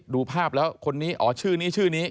ดูภาพแล้วคนนี้อ๋อชื่อนี้ชื่อนี้